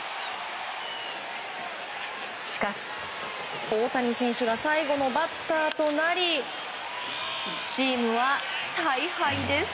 しかし、大谷選手が最後のバッターとなりチームは大敗です。